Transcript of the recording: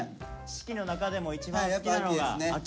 四季の中でも一番好きなのが秋。